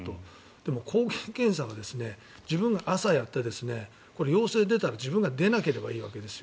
でも、抗原検査は自分が朝やって陽性が出たら自分が出なければいいわけですよ。